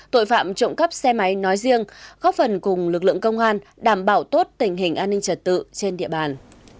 tội phạm trộm cắp xe máy nói riêng góp phần cùng lực lượng công an đảm bảo tốt tình hình an ninh trật tự trên địa bàn